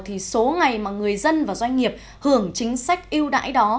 thì số ngày mà người dân và doanh nghiệp hưởng chính sách yêu đãi đó